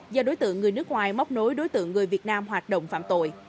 do đối tượng người nước ngoài móc nối đối tượng người việt nam hoạt động phạm tội